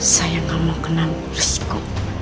saya gak mau kena resko